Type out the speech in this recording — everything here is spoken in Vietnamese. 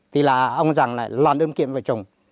thì là ông giàng lại làm đơn kiện vợ chồng